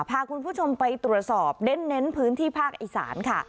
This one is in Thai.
พาคุณผู้ชมไปตรวจสอบเน้นพื้นที่ภาคอีสานค่ะ